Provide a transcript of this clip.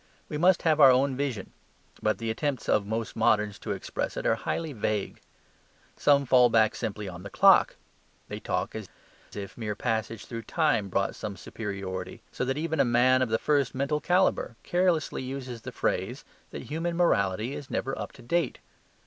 We must have our own vision. But the attempts of most moderns to express it are highly vague. Some fall back simply on the clock: they talk as if mere passage through time brought some superiority; so that even a man of the first mental calibre carelessly uses the phrase that human morality is never up to date.